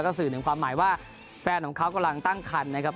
สื่อถึงความหมายว่าแฟนของเขากำลังตั้งคันนะครับ